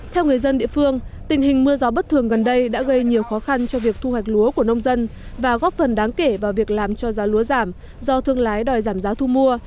theo người dân địa phương tình hình mưa gió bất thường gần đây đã gây nhiều khó khăn cho việc thu hoạch lúa của nông dân và góp phần đáng kể vào việc làm cho giá lúa giảm do thương lái đòi giảm giá thu mua